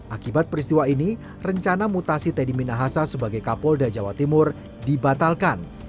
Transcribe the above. akibat peristiwa ini rencana mutasi teddy minahasa sebagai kapolda jawa timur dibatalkan